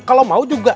kalau mau juga